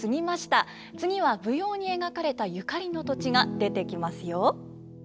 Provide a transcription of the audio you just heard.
次は舞踊に描かれたゆかりの土地が出てきますよ。